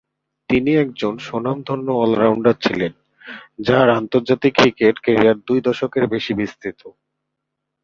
তিনি একজন স্বনামধন্য অল-রাউন্ডার ছিলেন যার আন্তর্জাতিক ক্রিকেট ক্যারিয়ার দুই দশকের বেশি বিস্তৃত।